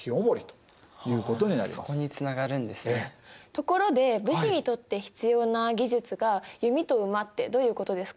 ところで武士にとって必要な技術が弓と馬ってどういうことですか？